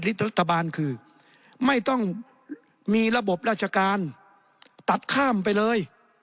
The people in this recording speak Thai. รัฐบาลคือไม่ต้องมีระบบราชการตัดข้ามไปเลย